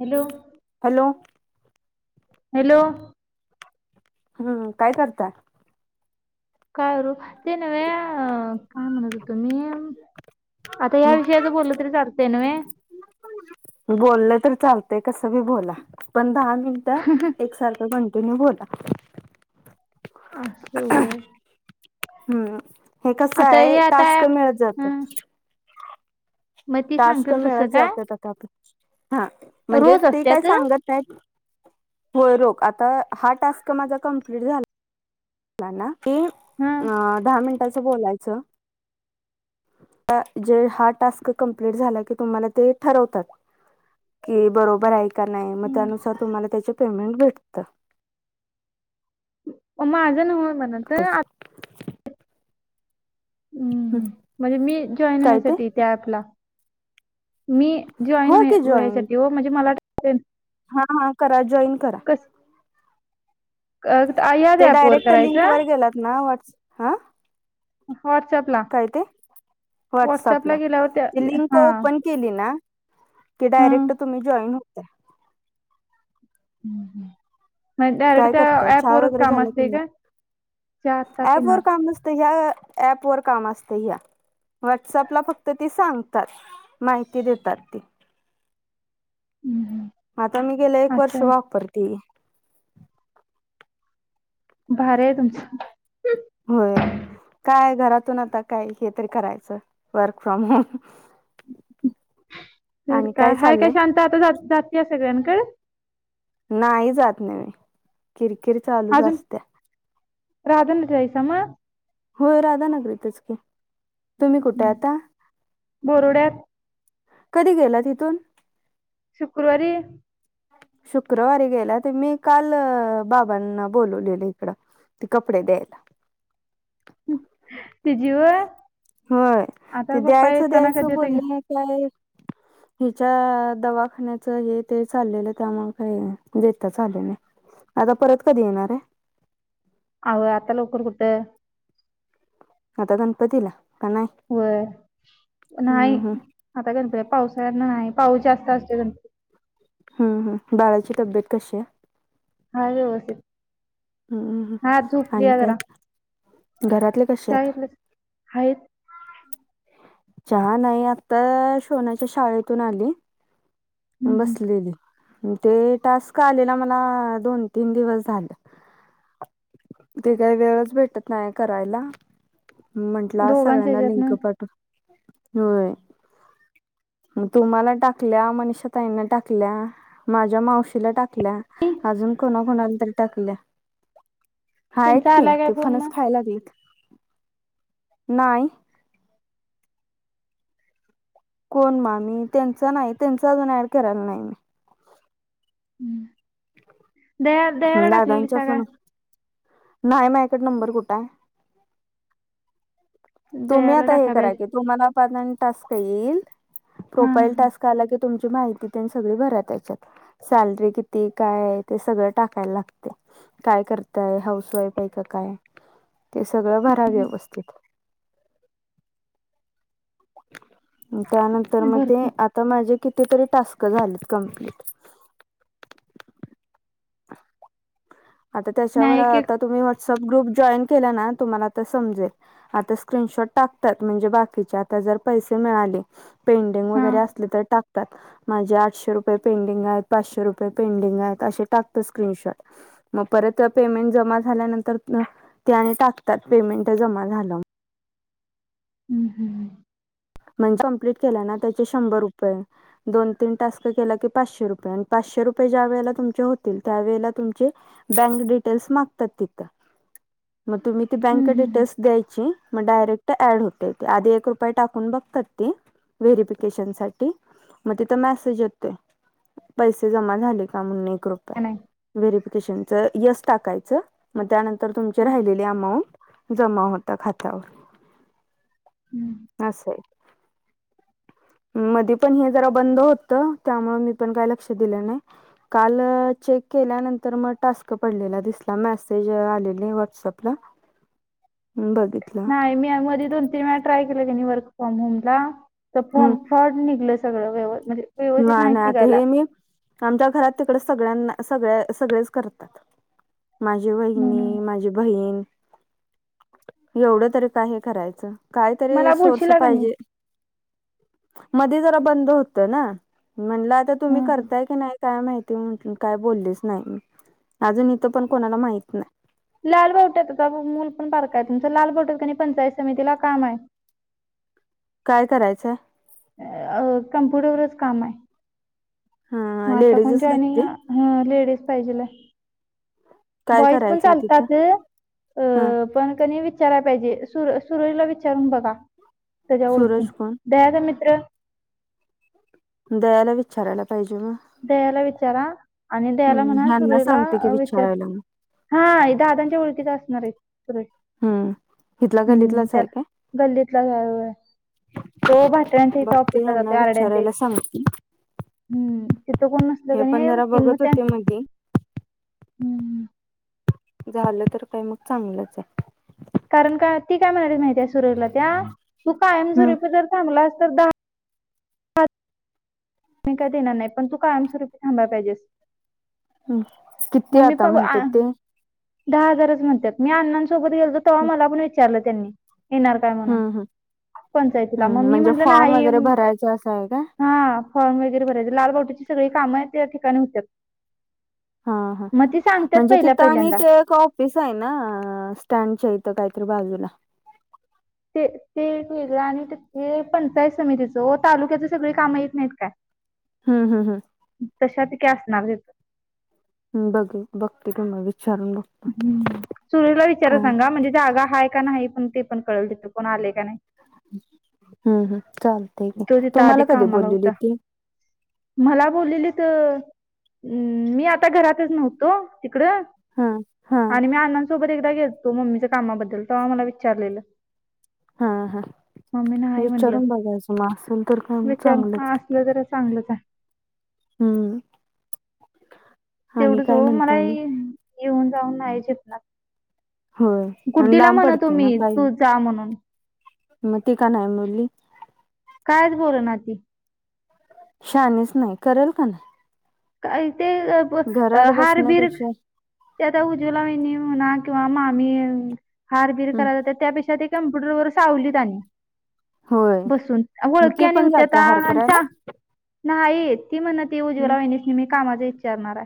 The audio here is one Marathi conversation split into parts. हॅलो हॅलो.. हॅलो... हम्म काय करताय... करू ते नव काय म्हणत होतो मी.. आता या हम्म विषयाचा बोल तरी चर्चायन म आहे.. ते कस बी बोला पण दहा मिनट एकसारख कंटीनियस तुम्ही बोला.... अससं होय... हम्म हे कसं आता हे आहे आता टास्क ऍप मिळत जात... हं मग ती टास्क सांगतील तसं मिळत काय जातात आता. हा म्हणजे रोज ते काय असत्यात सांगत नाहीत. होय [unintelligible] आता हा टास्क माझा कम्प्लीट झा [unintelligible] की हं दहा मिनटाच बोलायचं. जे हा टास्क कंप्लीट झाला की तुम्हाला ते ठरवतात. की बरोबर आहे. का नाही मग हं त्यानुसार तुम्हाला त्याच पेमेंट भेटत. म माझं ना होय म्हणत हम्म म्हणजे मी जॉईन काय ते व्हायसाठी त्या ऍपला. मी जॉईन हो व की जॉईन व्हायसाठी हो म्हणजे मला. हा हा करा जॉईन करा. कस अ, याच ते ऍप वर डायरेक्ट लिंक करायचं वर गेलात ना वट्सअप हा व्हॉट्सअपला काय ते व्हॉट्सअपला वॉट्सअपला गेल्यावर त्या लिंक हा ओपन केली ना कि डायरेक्ट हा तुम्ही जॉईन होता. म डायरेक्ट काय त्या ऍप वरच काम असते का? चहा आत्ताच ॲप येणार. वर काम नसत ह ऍप वर काम असतं ह्या. व्हॉट्सअपला फक्त ती सांगतात माहिती देतात. हम्म हम्म आता मी गेला एक वर्ष असं वापरते. भारी आहे तुमच. होय. काय घरातून आता काय हे तरी करायचं वर्क फ्रॉम होम. तर आणि काय हाय काय चाललंय शांत आता जातय सगळ्यांकडे. नाही जात नाही मी कि अजून राधंद जायस म. होय राधानगरीतच की. तुम्ही कुठे आता? बोरुड्यात कधी गेला तिथून? शुक्रवारी. शुक्रवारी गेला तर मी काल बाबांना बोलवलेलं इकडं. ते कपडे द्यायला. तिजी व्हय? होय आता ते पप्पा द्यायच येताना कधी द्यायचं येता की? बोलले काय. हिच्या दवाखान्याच हे ते चाललेलं तर मग का देतता आल नाही. आता परत कधी येणार आहे? अहो आता लवकर कुठे? आता गनपतीला? व्हय नाही हम्म हम्म आता गणपती पाऊस नाही पाऊस जास्त असतोय गणपती हम्म हम् बाळाची तब्येत कशी आहे? हाय व्यवस्थित. हम्म हा आणि झोपलीया जरा. काय घरातले कसे आहेत? आहेत. चहा नाही आता सोन्या च्या शाळेतून आली. हम्म हम्म बसलेली. ते टास्क आलेला मला दोन तीन दिवस झालं. ते काही वेळच भेटत नाही करायला. म्हंटलं आत दोघांच्या सगळ्यांना लिंक ह्याच्यातनं. पाठव होय मग तुम्हाला टाकल्या मनिषा ताईने टाकल्या माझ्या मावशीला टाकल्या अजून कोणा कोणा ला तरी टाकलिया. हा आहेत त्यांचा की आलाय काय ते फोन फणस मग? खाय लागलेत. नाही. कोण मामी त्यांचा नाही त्यांचा अजून ऍड करायला नाही. हम्म. दया मी द्याला टाकलेली दादांच्या सागा फोन नाही माझ्या कड नंबर कुठं हाय? तुम्ही दयाला आता हे टाकाय करा पाहिजे की तुम्हाला परत आणि टास्क येईल हा प्रोफाइल हा टास्क आला की तुमची माहिती त्यांनी सगळी भरा त्याच्यात सॅलरी किती काय आहे ते सगळं टाकायला लागतय. काय करताय हाऊस वाईफ आहे का काय? ते सगळं भरा व्यवस्थित. [inaudible] [inaudible] त्यानंतर मग ते भरपूर आता माझे किती तरी टास्क झाले त कम्प्लीट. [inaudible] आता त्याच्यावर नाही एक एक आता तुम्ही व्हॉट्सअप ग्रुप जॉईन केला ना तुम्हांला आता समजेल आता स्क्रीनशॉट टाकतात म्हणजे बाकीचे अता जर पैसे मिळाले पेंडिंग हा वगैरे असली तर टाक टाकतात माझे आठशे रुपये पेंडिंग आहेत. पाचशे रुपये पेंडिंग आहेत असे टाकतात स्क्रीनशॉट. मग परत पेमेंट जमा झाल्यानंतर ते आणि टाकतात पेमेंट जमा झालं. हम्म, हम्म, ह्. म्हणजे कंप्लीट केला ना त्याचे शंभर रुपये दोन, तीन टास्क केला की पाचशे रुपये आणि पाचशे रुपये ज्यावेळेला तुमच्या होतील त्यावेळेला तुमचे बँक डिटेल्स मागतात तिथं. मग तुम्ही ती हम्म, बँक हम्म, हम्म. डिटेल्स द्यायची मग डायरेक्टड ‌ॲड होतंय ते आधी एक रुपया टाक कून बघतात ती व्हेरिफिकेशन साठी. मग तिथ मेसेज येतोय. पैसे जमा झाले का म्हणून एक रुपया काय नाही व्हेरीफिकेशन च यस टाकायचं मग त्यानंतर तुमचे राहिलेले अमाऊंट जमा होतं खात्यावर. [inaudible] हम्. अस आहे. [inaudible] मध्ये पण हे जरा बंद होत त्यामुळे मी पण काही लक्ष दिलं नाही काल चेक केल्यानंतर मग टास्क पडलेला दिसला मेसेज आलेले व्हॉटसअपला. [inaudible] नाही मी अगं मध्ये दोन तीन वेळा ट्राय केलं त्यांनी वर्क फ्रॉम होम ला हम्म फॉम फ्रॉड निघलं सगळं व्यव म्हणजे. व्यवस्थित नाही नाहीच नाही आता निघायला हे मी आमच्या घरात तिकड सग सगळ्यांना सगळ सगळेच करतात माझी म्हणून वहिणी माझी बहीण. एवढं तरी का हे करायचं. कायतरी मला सोर्स बोलशीला का नाही पाहिजे मधी जरा बंद होत ना. म्हणलं आता हा, तुम्ही हा. करताय की नाही काय माहिती. ते म्हटल काय बोललेच नाही अजून इथं पण कोणाला माहित नाही. लालबावट्याचा मूल पण बारक आहे तुमच लालबावट्या आणि पंचायत समितीला काम आहे. [inaudible] काय करायचाय? अ, कम्प्युटरवरच काम आहे. मग ह आता कोण लेडीजच जॉईनिंग लागते अ लेडीज पाहिजेल हाय. काय बॉईस पण करायचंय तिथं चालतात हा अं पण कसं वि विचाराय पाहिजे सुर सुरळीला विचारून बघा त्याच्या ओळखीन सूरज कोण दया मी अ [inaudible] दयाला विचारायला पाहिजे.. मग दयाला विचारा आणि दयला हम्म म्हणा ह्यांना सुरजला सांगते की विचार. विचारायला मग हा हे ददांच्या ओळखीच असणार आहे. हम्म इथला [inaudible] हम्म, गल्लीतलाच त्यात आहे का गल्लीतलाच हाय होय. तो भाटड्यांच्या इथ बघते ऑफिसला जातो यांना [inaudible] आरड्यांच्या इथ विचारायला सांगते हम्म. तिथं कोण नसल हे पण कनी जरा कि म बघत त्या होते मध्ये [inaudible] हम्. झालं तर काय मग चांगलंच हाय. कारण का ती काय म्हणाली माहीती हाय सुरजला त्या तू कायम हम्म स्वरूपी जर थांबला अस तर दहा हां मी काय देणार नाही पण तू कायमस्वरूपी थांबायला पाहिजेस. हम् किती मग मी आता प म्हणते आ ते दहा हजारच म्हणत मी अण्ांसोबत गेलो तेव्हा मला पण विचारलं त्यांनी येणार काय म्हणून हम्म हम् पंचायतीला मग हम् मी म्हणजे म्हटलं ना फॉर्म आई वगैरे भरायचा असं आहे का हा फॉर्म वगैरे भरायचे लालबाटीची सगळी कामं त्या ठिकाणी होत्या. हा हा म्हणजे तिथं आणि ते एक ऑफिस आहे ना स्टँडच्या इथ काहीतरी बाजूला ते ते एक वेगळं आणि ते पंचायत समितीचं तालुक्याच सगळे काम य नाहीत काय. हम्म हम्म हम् क सणारते तू हम् बघ बघते तु्हा विषय ह् सुरशला विचारा काय सांगा म्हणजे जागा हा का नाही? पण ते पण कळल तिे कोण आले का नाही? हम् हम् चालतय की तो तथ आधी तुम्हाला कधी कामाला बोललेली होता ती मला बोललेली तर हम् मी आता घरातच नव्हतो तिकड हा हा आणि मी अण्णांसोबत एक घेतो मम्मीच्या कामाबद्दल तर मला विचारलेलं. हा हा मम्मी ना आहे म्हणलं विचारून बघायचं मग असेल तर काय मग विचारू हा चांगलंच असलं तररी चांगलंच आहे हम्म आणि तेवढं ज काय म्हणताय मग मलाही येऊन जाऊन नाही झेपणार. होय आणि गुड्डीला लांब म्हण पडते ना तुम्ही काही तू जा म्हणून मग ते का नाही बोलली काय बोल ना आ ती शानीच नाही करेल का नाही. का ते घरात हारबिर बसण्यापेक्षा त्याता उजवला वाहिनी ना किंवा मम्ही हारबिर हम्म कराय त्यापेक्षा ते कम्प्युटर व सावलीतनी होय [inaudible] बसून मग ती वळख्या न पण जाते हार होत्याताच्या करायला नाही येेत ती म्हण ती उजवरा मग होहिणेस नेहमी कामाचा इच्चारणार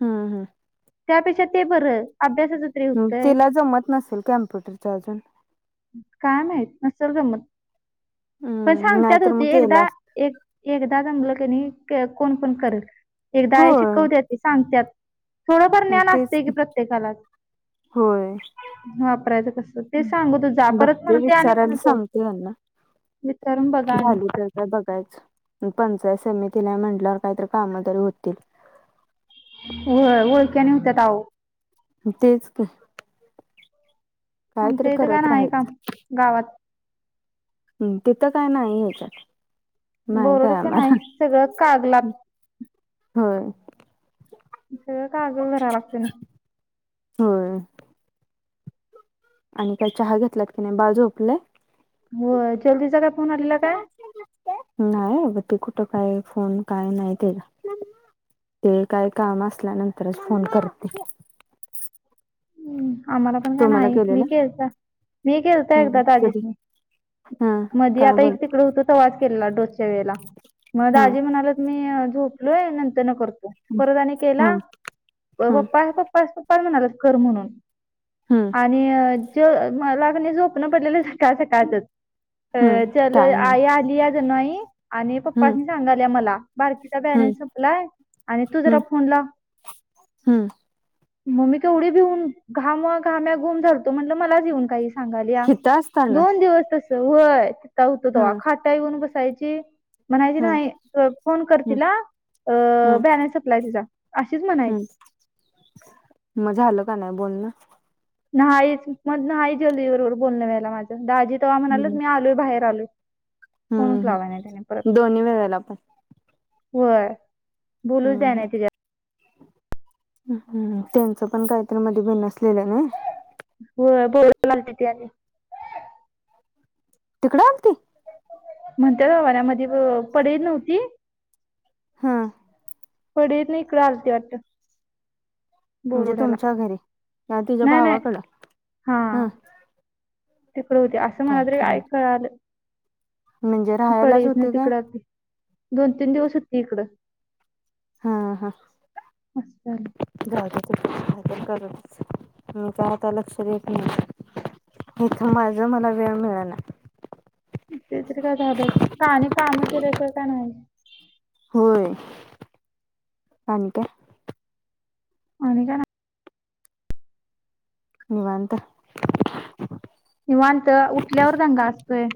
हम् हम् त्यापेक्षा ते बरं अभ्यासाच त हम्म होतय तिला जमत नसेल कॅम्प्युटरच अजून काय माहत न [inaudible] च गमत पण हम्म सांगतत नाहीतर होती मग केला एकदा अस एक एकदा जमलं क नाही. कोणण एकदा होय शिकवत ते सांगतात. थोडंफार मग ज्ञान तेच असते की प्रत्येकाला, होय. वापरायचं कस ते सांगू तू जा परत बघते म्हणते आणि विचारायला म्हणतो. सांगते यांना विचारून बघा आणि झाली तर का बघायच पंचायत समिती तिला म्हटल्यावर काहीतरी काम तरी होतील. जाऊ. तेच की. कायतरी आमच्या इथं काय करत नाही काम राहाचं. गावात हम् तिथं काय नाही ह्याच्यात. माहित बोरड आहे ते नाही आम्हाला सगळं कागलात होय. हीत कागल ला राहायला असतो मी. होय. आणि काय चहा घेतलात की नाही. बाळ झोपलय. होय चंदीचा काय फोन आलेला काय. नाही अग ते कुठं काय फोन काय नाही केला. ते काही काम असल्यानंतरच फोन करते. हम्म, आम्हाला पण काय तुम्हाला नाही मी केलेला? केलता मी केलता हम्म एकदा कधी? ताजीसनी. हा मध्ये काय आता बोल एक तिकड होतो तवाच केलेल, डोसच्या वेळेला म हा दाजी म्हणाल मी झोपलोय नंतर ना करतो. परत आणि हा केला हा पप्पा पप्पा पप्पा म्हणालास कर म्हणून. हम्म आणि जे मला कनाही स्वप्न पडलेलं सकाळ सकाळचच. अ हम्म चदे टायमिंग आई आलीया क नाही. आणि हम्म पप्पसनी सांगाल्या मला बारकीचा हम्म बॅलन्स संपलाय. आणि तू जरा हम्म फोन लाव. हम्म. मम्मी केवढी भिऊन घाम घाम्या घूम झाडतो म्हटलं मलाच येऊन काही सांगाल्या, हित असताना दोन दिवस तस होय ति होतं ते्हा हम्म खाटा येऊन बसायची. म्हणायची हम्म नाही फोन कर हम्म तिला अ हम्म बॅलन्स सप्लाय तिचा. अशीच म्हणायची हम्म, म झालं का नाही बोलणं. नाहीच मग नाही चंदी बरोबर बोलण व्हायला माझं दाजी तेव्हा म्हणाल हम्म मी आलोय बाहेर आलोय. हम्म फोनणच लावाला नाही त्यानी परत. हम्म दोन्ही वेळेला पण होय बोलूच दयाना न्हाय तिझ्या हम् त्यांच पण काहीतरी मध्ये बिणसलेलं नाही. होय बोलय लालते आणि, तिकडें आती. म्हणते हवानामध्ये पडेल नव्हती. हां. पडे तण हिकडं आलती वाढत. म्हणजे बोरुड्याला तुमच्या घरी या तुझ्या नाही नाही भावाकडं हा. तिकड होती असं मला काय तरी खरं आय कळालं. म्हणजे राहायलाच पडवीसन होते काय तिकड आलती दोन तीन दिवस होती इकडं. हा हा असं झालं जाऊ दे. काही तरी करतायच, मी तर आता लक्ष देत नाही. इथं माझ मला वेळ मिळेला. ते तरी काय झालंच हम् [inaudible] होय आणि काय, आणि काय नाही. निवंत. निवांत उठल्यावर दांगा असतोय.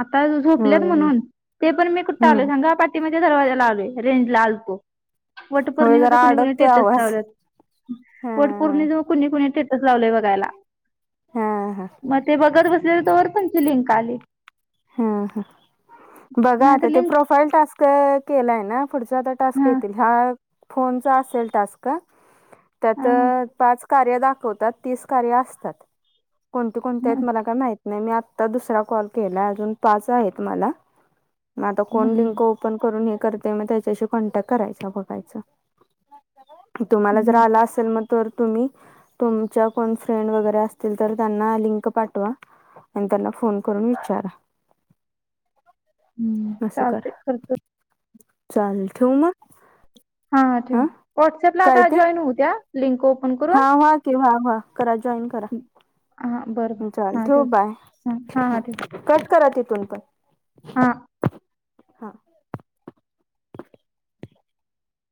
आता झोपल्यात होय म्हणून ते पण मी कुठ आलोय हम्म सांगा पाठीमा गच्या दरवाजा आलोय रेंज ला आलतो. होय वटपौर्णिमेचं जरा कुणी-कुणी अडकतोय टेटस आवाज लावल्यात हा वटपौर्णिजं कुणी कुणीे टेट स लावलंय बघायला. हा-हा मग ते बघत बसलेले तोवर तुमची लिंक आली. हा-हा बघा नाहीतर आता ते लिंक प्रोफाईल टास्क केलाय ना? पुढचा आता टास्क येतील. हा फोनचा असेल टास्क का? त्यात हा टास्क कार्य दाखवतात तीस कार्य असतात, कोणते-कोणते हा हेत मला काय माहित? नाही मी आत्ता दुसरा कॉल केला अजून पाच आहेत मला. मग आता कोण लिंक ओपन करून येत करते मी त्याच्याशी कॉन्टॅक करायचा बघायचं. तुम्हाला जर आला असेल मग तर तुम्ही तुमच्या कोण फ्रेंड वगैरे असतील तर त्यांना लिंक पाठवा. आणि त्यांना फोन करून विचारा. हम्म चालते खर्च. चाल ठेवु म? हा ठेव व्हॉट्सॲपला आता जॉईन होऊ त्या लिंक. ओपन करून हा-हा केव्हा? हं करा जॉईन करा. हा बरं बरं हं चाल हा ठेव बाय हां हां हं, कट करा तिथून कट. हा हा